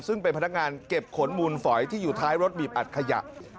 ซึ่งเป็นพนักงานเก็บขนมูลฝอยที่อยู่ท้ายรถบีบอัดขยะ